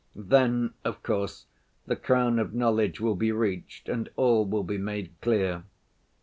then, of course, the crown of knowledge will be reached and all will be made clear.